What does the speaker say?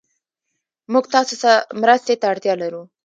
موږ تاسو مرستې ته اړتيا لرو